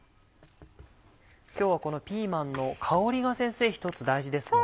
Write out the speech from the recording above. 今日はこのピーマンの香りが先生一つ大事ですよね。